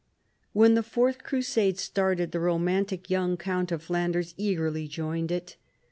When the fourth crusade started the romantic young count of Flanders eagerly joined it.